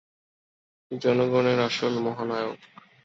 জনগণের আসল মহানায়ক।